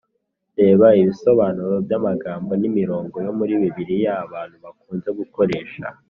Reba ibisobanuro by’amagambo n’imirongo yo muri Bibiliya abantu bakunze gukoresha